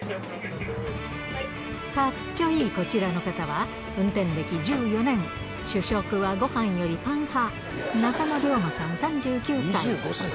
かっちょいいこちらの方は、運転歴１４年、主食はごはんよりパン派、中野竜馬さん３９歳。